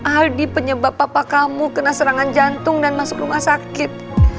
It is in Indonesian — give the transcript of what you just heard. aldi penyebab papa kamu kena serangan jantung dan masuk rumah sakit